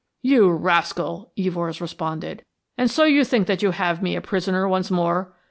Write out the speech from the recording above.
"You rascal," Evors responded. "And so you think that you have me a prisoner once more.